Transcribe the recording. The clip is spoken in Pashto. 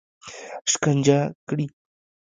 شکنجه کړي.